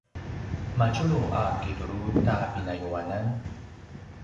madjulu a kitulu ta pinayuanan?